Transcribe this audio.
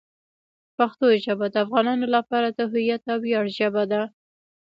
پښتو ژبه د افغانانو لپاره د هویت او ویاړ ژبه ده.